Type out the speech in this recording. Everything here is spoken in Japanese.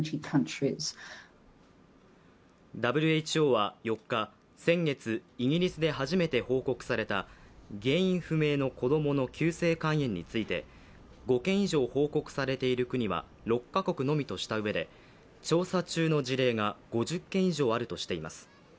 ＷＨＯは４日、先月、イギリスで初めて報告された原因不明の子供の急性肝炎について５件以上報告されている国は６カ国のみとしたうえで、調査中の事例が５０件以上あるとしています。